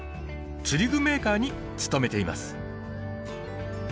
釣り具メーカーに勤めています。